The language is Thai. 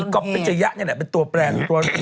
ก๊อปเปอร์จยะนี่แหละเป็นตัวแปลน